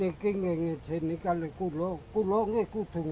ini aku di sini kalau aku di sini aku di sini aku di sini